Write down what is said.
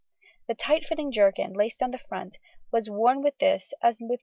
The tight fitting jerkin, laced down the front, was worn with this as with most other coats.